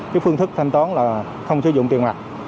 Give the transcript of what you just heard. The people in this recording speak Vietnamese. cái phương thức thanh toán là không sử dụng tiền mặt